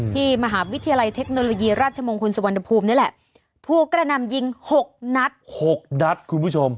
ที่มหาวิทยาลัยเทคโนโลยีราชมงคลสุวรรณภูมินี่แหละถูกกระนำยิงหกนัดหกนัดคุณผู้ชม